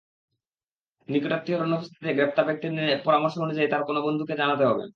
নিকটাত্মীয়র অনুপস্থিতিতে গ্রেপ্তার ব্যক্তির পরামর্শ অনুযায়ী তাঁর কোনো বন্ধুকে জানাতে হবে।